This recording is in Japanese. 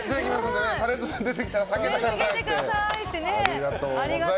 タレントさん出てきたら叫んでくださいってね。